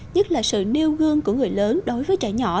nhất là sự nêu gương của người lớn đối với trẻ nhỏ